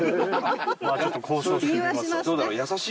ちょっと交渉してみます。